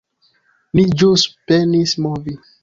Ni ĵus penis movi